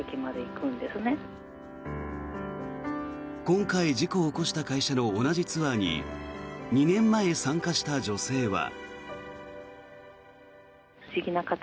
今回、事故を起こした会社の同じツアーに２年前、参加した女性は。